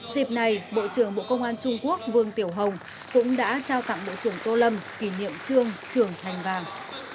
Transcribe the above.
dịp này bộ trưởng bộ công an trung quốc vương tiểu hồng cũng đã trao tặng bộ trưởng tô lâm kỷ niệm trương trường thành vàng